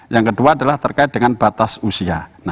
yang kedua adalah terkait dengan batas usia